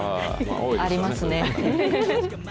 ありますね。